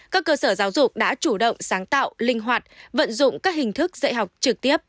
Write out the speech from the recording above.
các cơ sở giáo dục đã chủ động sáng tạo linh hoạt vận dụng các hình thức dạy học trực tiếp